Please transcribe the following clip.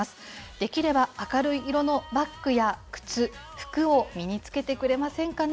できれば明るい色のバッグや靴、服を身につけてくれませんかね。